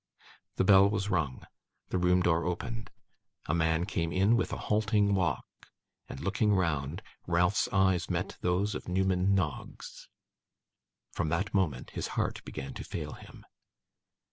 The bell was rung; the room door opened; a man came in, with a halting walk; and, looking round, Ralph's eyes met those of Newman Noggs. From that moment, his heart began to fail him.